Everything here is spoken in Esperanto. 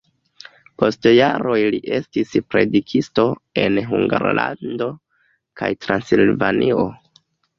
Post jaroj li estis predikisto en Hungarlando kaj Transilvanio.